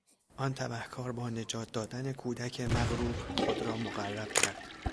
آن تبهکار با نجات دادن کودک مغروق خود را مقرب کرد.